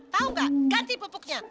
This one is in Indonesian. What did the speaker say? tahu nggak ganti pupuknya